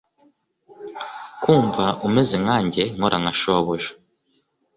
Kumva umeze nkanjye nkora nka shobuja